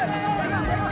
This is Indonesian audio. malah malah malah